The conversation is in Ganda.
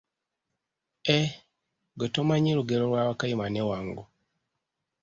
Eh, ggwe tomanyi lugero lwa wakayima ne wango.